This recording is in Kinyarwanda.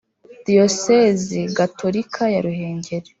Diyosezi Gatolika ya Ruhengeri